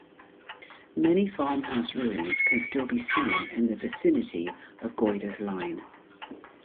Many farmhouse ruins can still be seen in the vicinity of Goyder's line.